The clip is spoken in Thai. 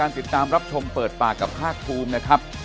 นี่นะครับ